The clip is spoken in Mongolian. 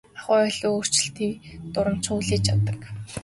Ахуйн аливаа өөрчлөлтийг дурамжхан хүлээж авдаг.